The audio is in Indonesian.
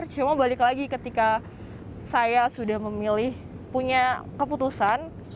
cuma balik lagi ketika saya sudah memilih punya keputusan